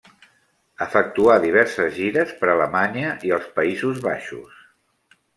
Efectuà diverses gires per Alemanya i els Països Baixos.